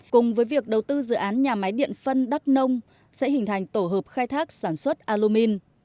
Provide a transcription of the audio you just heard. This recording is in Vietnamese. cùng với việc đầu tư dự án nhà máy điện phân đắc nông sẽ hình thành tổ hợp khai thác sản xuất alumin